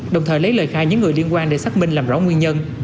đồng thời lấy lời khai những người liên quan để xác minh làm rõ nguyên nhân